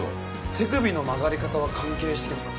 手首の曲がり方は関係してきますか？